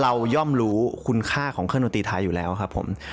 ย่อมรู้คุณค่าของเครื่องดนตรีไทยอยู่แล้วครับผม